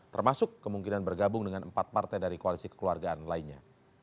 termasuk kemungkinan bergabung dengan empat partai dari koalisi kekeluargaan lainnya